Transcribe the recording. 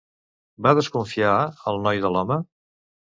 Va desconfiar el noi de l'home?